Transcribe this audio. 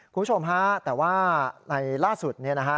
คุณผู้ชมฮะแต่ว่าในล่าสุดเนี่ยนะฮะ